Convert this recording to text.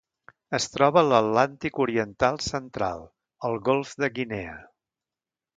Es troba a l'Atlàntic oriental central: el golf de Guinea.